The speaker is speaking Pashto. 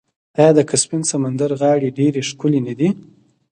آیا د کسپین سمندر غاړې ډیرې ښکلې نه دي؟